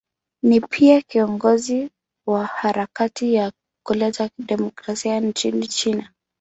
Ni pia kiongozi wa harakati ya kuleta demokrasia nchini China.